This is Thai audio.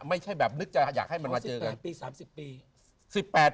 ไม่ใช่แบบนึกจะอยากให้มาเจอกัน